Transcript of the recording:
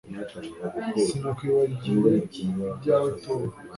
Sinakwibagiwe ibyawe Tom